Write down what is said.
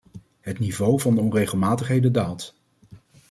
Het niveau van de onregelmatigheden daalt.